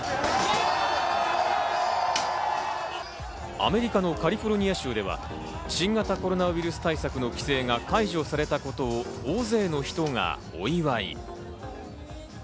アメリカのカリフォルニア州では新型コロナウイルス対策の規制が解除されたことを大勢の人がお祝い。